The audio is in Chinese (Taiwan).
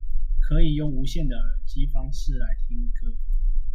可以用無線的耳機方式來聽歌